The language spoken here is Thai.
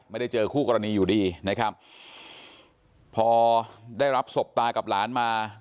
ไม่ได้เจอคู่กรณีอยู่ดีนะครับพอได้รับศพตากับหลานมา